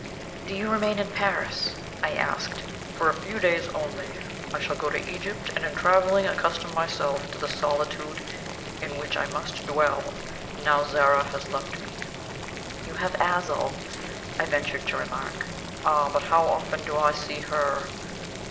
"Do you remain in Paris?" I asked. "For a few days only. I shall go to Egypt, and in travelling accustom myself to the solitude in which I must dwell, now Zara has left me." "You have Azul," I ventured to remark. "Ah! but how often do I see her?